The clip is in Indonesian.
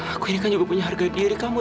aku ini kan juga punya harga diri kamu